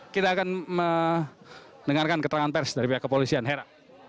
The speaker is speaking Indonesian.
kita akan mendengarkan keterangan pers dari pihak kepolisian hera